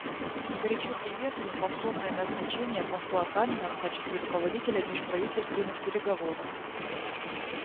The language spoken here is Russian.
Мы горячо приветствуем повторное назначение посла Танина в качестве руководителя межправительственных переговоров.